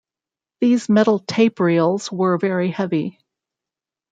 These metal tape reels were very heavy.